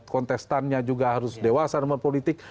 kontestannya juga harus dewasa dalam politik